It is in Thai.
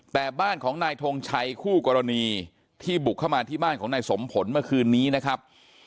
แต่บ้านของนายทงชัยคู่กรณีที่บุกเข้ามาที่บ้านของนายสมผลเมื่อคืนนี้นะครับ